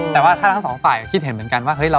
แต่ว่าถ้าทั้งสองฝ่ายคิดเห็นเหมือนกันว่า